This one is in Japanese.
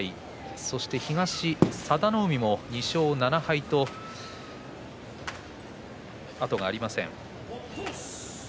そして東は佐田の海、２勝７敗と後がありません。